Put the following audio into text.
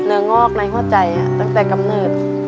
งอกในหัวใจตั้งแต่กำเนิด